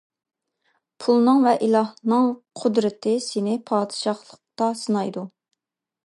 پۇلنىڭ ۋە ئىلاھنىڭ قۇدرىتى سېنى پادىشاھلىقتا سىنايدۇ.